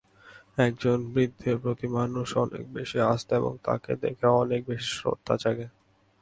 একজন বৃদ্ধের প্রতি মানুষ অনেক বেশী আস্থা এবং তাঁকে দেখে অনেক বেশী শ্রদ্ধা জাগে।